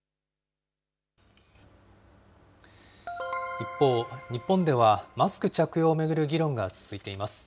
一方、日本ではマスク着用を巡る議論が続いています。